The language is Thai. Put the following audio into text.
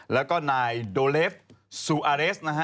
แล้วก็นายโดเลฟซูอาเรสนะฮะ